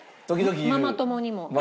ママ友にも。